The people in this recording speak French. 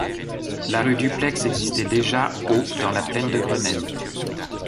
La rue Dupleix existait déjà au dans la plaine de Grenelle.